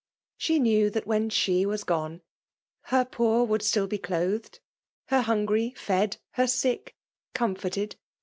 She knew that when she was gone, her poor would still be clothed^ her hungry fed, her sick comforted.